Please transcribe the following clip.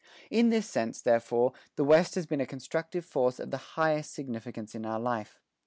In this sense, therefore, the West has been a constructive force of the highest significance in our life.